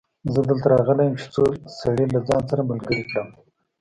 زه دلته راغلی يم چې څو سړي له ځانه سره ملګري کړم.